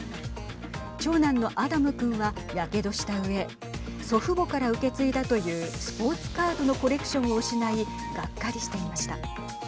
長男のアダム君はやけどしたうえ祖父母から受け継いだというスポーツカードのコレクションを失いがっかりしていました。